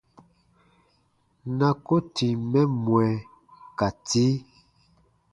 Na ko tìm mɛ mwɛ ka tii.